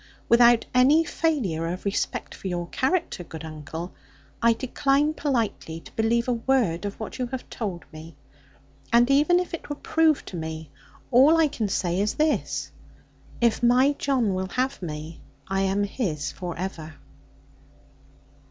Without any failure of respect for your character, good uncle, I decline politely to believe a word of what you have told me. And even if it were proved to me, all I can say is this, if my John will have me, I am his for ever.'